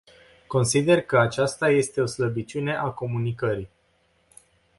Consider că aceasta este o slăbiciune a comunicării.